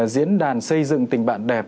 diễn đàn xây dựng tình bạn đẹp